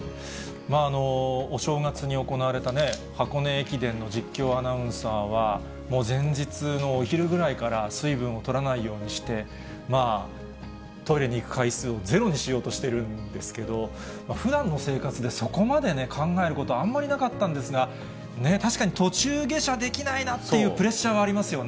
お正月に行われたね、箱根駅伝の実況アナウンサーは、もう前日のお昼ぐらいから水分をとらないようにして、まあ、トイレに行く回数をゼロにしようとしているんですけど、ふだんの生活で、そこまでね、考えることはあんまりなかったんですが、確かに途中下車できないなっていうプレッシャーはありますよね。